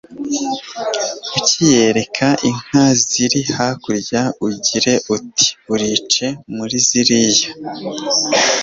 ukayereka inka ziri hakurya ugira uti:urice muri ziriya